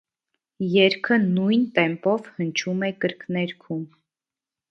Երգը նույն տեմպով հնչում է կրկներգում։